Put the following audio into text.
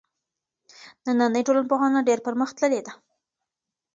نننۍ ټولنپوهنه ډېره پرمختللې ده.